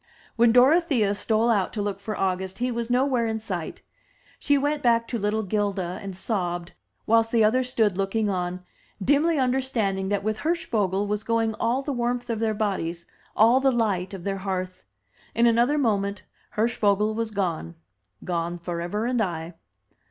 When Dorothea stole out to look for August, he was nowhere in sight. She went back to little 'Gilda, and sobbed, whilst the others stood looking on, dimly understanding that with Hirsch vogel was going all the warmth of their bodies, all the light of their hearth. In another moment Hirschvogel was gone — ^gone forever and aye.